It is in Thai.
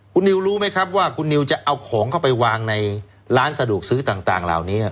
คุณนิวรู้ไหมครับว่าคุณนิวจะเอาของเข้าไปวางในร้านสะดวกซื้อต่างเหล่านี้